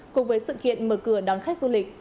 cùng với sự kiện mở cửa đón khách du lịch